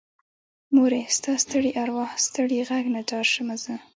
مورې ستا ستړي ارواه ستړې غږ نه ځار شمه زه